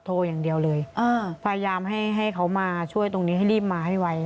อย่างเดียวเลยพยายามให้เขามาช่วยตรงนี้ให้รีบมาให้ไว